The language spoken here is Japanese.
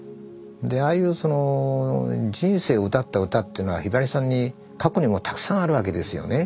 ああいう人生を歌った歌っていうのはひばりさんに過去にもたくさんあるわけですよね。